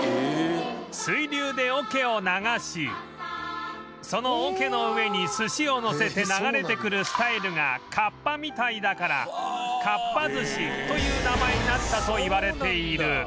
水流で桶を流しその桶の上に寿司をのせて流れてくるスタイルがカッパみたいだからかっぱ寿司という名前になったといわれている